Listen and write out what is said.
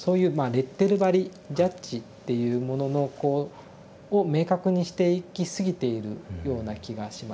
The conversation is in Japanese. レッテル貼りジャッジっていうもののこうを明確にしていきすぎているような気がします。